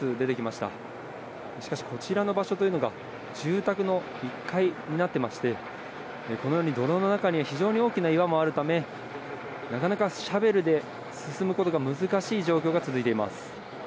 しかし、こちらの場所というのが住宅の１階になっていましてこのように泥の中には非常に大きな岩もあるためなかなかシャベルで進むことが難しい状況が続いています。